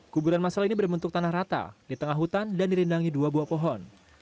kuburan masal ini berbentuk tanah rata di tengah hutan dan dirindangi dua buah pohon